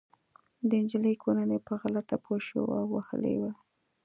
د انجلۍ کورنۍ په غلطه پوه شوې وه او وهلې يې وه